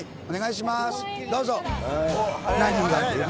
どうぞ。